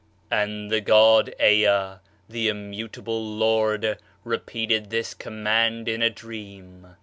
"'And the god [Ea], the immutable lord, repeated this command in a dream.